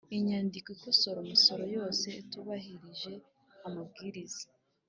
Inyandiko ikosora umusoro yose itubahirije amabwiriza